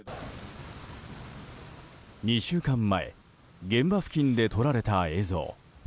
２週間前、現場付近で撮られた映像。